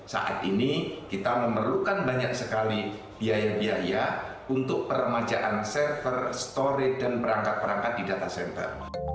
saat ini kita memerlukan banyak sekali biaya biaya untuk permajaan server storage dan perangkat perangkat di data center